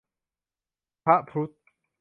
พระพุทธ